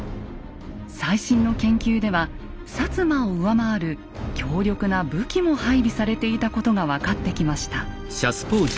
最新の研究では摩を上回る強力な武器も配備されていたことが分かってきました。